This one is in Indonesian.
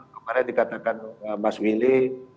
kemarin dikatakan mas willy